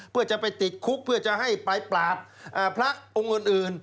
เพื่อจะไปติดคุกเพื่อจะให้ไปปราบพระองค์อื่น